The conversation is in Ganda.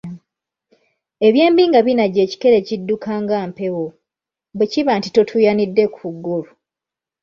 Eby'embi nga binajja ekikere kidduka nga mpewo, bwe kiba nti totuuyanidde ku ggolu!